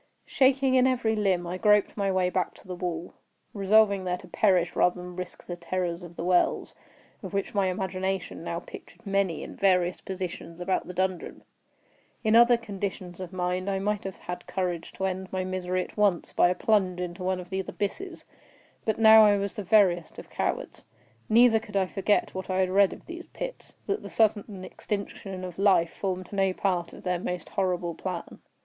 Shaking in every limb, I groped my way back to the wall—resolving there to perish rather than risk the terrors of the wells, of which my imagination now pictured many in various positions about the dungeon. In other conditions of mind I might have had courage to end my misery at once by a plunge into one of these abysses; but now I was the veriest of cowards. Neither could I forget what I had read of these pits—that the sudden extinction of life formed no part of their most horrible plan.